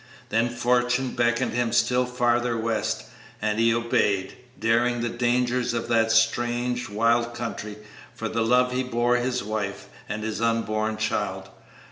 Then Fortune beckoned him still farther west, and he obeyed, daring the dangers of that strange, wild country for the love he bore his wife and his unborn child.